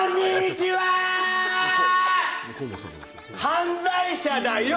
犯罪者だよ！